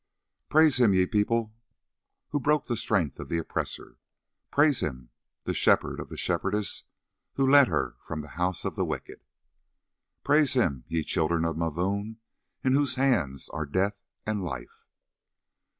"Praise him, ye people, who broke the strength of the oppressor. "Praise him, the Shepherd of the Shepherdess, who led her from the house of the wicked. "Praise him, ye Children of Mavoom, in whose hands are death and life.